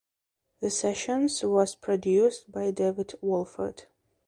The sessions was produced by David Wolfert.